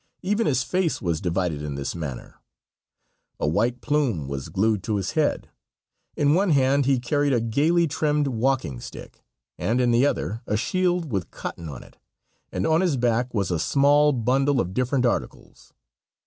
Even his face was divided in this manner. A white plume was glued to his head. In one hand he carried a gaily trimmed walking stick, and in the other a shield with cotton on it, and on his back was a small bundle of different articles.